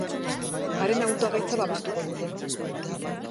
Haren hautagaitza babestuko dugu.